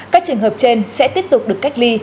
các trường hợp trên sẽ tiếp tục được cách ly